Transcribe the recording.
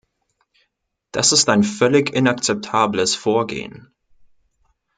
Das ist ein völlig inakzeptables Vorgehen.